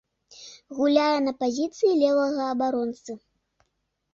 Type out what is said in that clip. Гуляе на пазіцыі левага абаронцы.